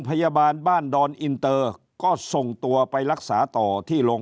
พยาบาลบ้านดอนอินเตอร์ก็ส่งตัวไปรักษาต่อที่โรง